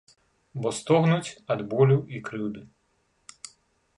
Бо стогнуць ад болю і крыўды.